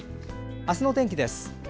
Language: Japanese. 明日の天気です。